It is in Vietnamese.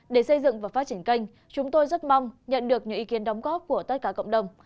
để xây dựng và phát triển kênh chúng tôi rất mong nhận được những ý kiến đóng góp của tất cả cộng đồng